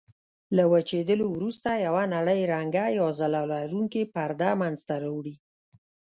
له وچېدلو وروسته یوه نرۍ رنګه یا ځلا لرونکې پرده منځته راوړي.